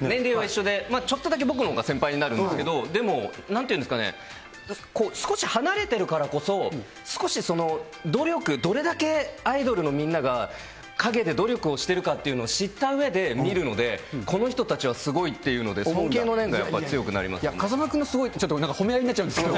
年齢は一緒でちょっとだけ僕のほうが先輩になるんですけど、でもなんていうんですかね、少し離れてるからこそ、少し努力、どれだけアイドルのみんなが陰で努力をしてるかっていうのを知ったうえで見るので、この人たちはすごいっていうので、尊敬の念が風間君がすごい、なんか褒め合いになっちゃうんですけど。